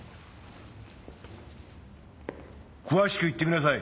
詳しく言ってみなさい。